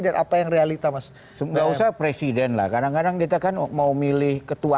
dan apa yang realita mas sudah usah presiden lah kadang kadang kita kan mau milih ketua